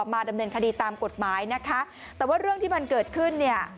มาดำเนินคดีตามกฎหมายนะคะแต่ว่าเรื่องที่มันเกิดขึ้นเนี่ย